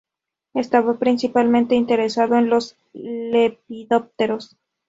Estaba principalmente interesado en los lepidópteros.